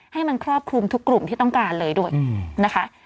ให้มันครอบคลุมทุกกลุ่มที่ต้องการเลยด้วยนะคะ